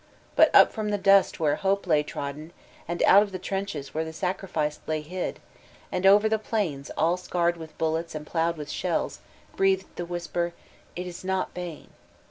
*' But up from the dust where Hope by trodden, and out of the trenches where the sacrificed lay hid, and over the plains all scarred with bullets and plowed with shells, breathed the whisper, ''It is not vain.